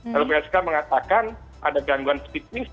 kalau psk mengatakan ada gangguan psikis